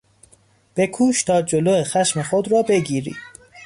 بکوش تا جلو خشم خود را بگیری!